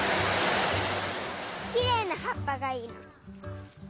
きれいなはっぱがいいの。